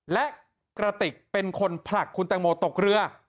และกระติกเป็นคนผลักคุณแตงโมตกเรือ